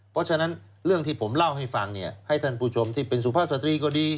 เพราะฉะนั้นเรื่องที่ผมเล่าให้ฟังเนี่ยให้ท่านผู้ชมที่เป็นสุภาพสตรีก็ดี